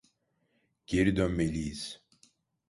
Geri dönmeliyiz.